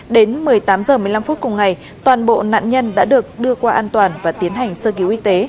đến một mươi tám h một mươi năm phút cùng ngày toàn bộ nạn nhân đã được đưa qua an toàn và tiến hành sơ cứu y tế